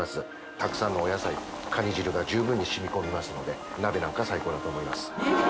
たくさんのお野菜カニ汁が十分にしみ込みますので鍋なんか最高だと思います